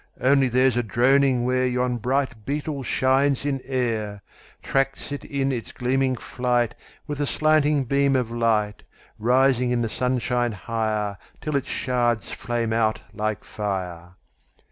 Only there 's a droning whereYon bright beetle shines in air, Tracks it in its gleaming flightWith a slanting beam of light, Rising in the sunshine higher, Till its shards flame out like fire.